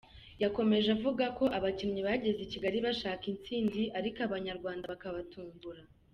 Yakomeje avuga ko abakinnyi bageze I Kigali bashaka intsinzi ariko Abanyarwanda bakabatungura.